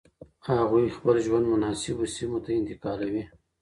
هغوی خپل ژوند د مناسب سیمو ته انتقالوي.